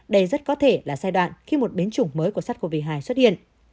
đây rất có thể là giai đoạn khi một biến chủng mới của sars cov hai xuất hiện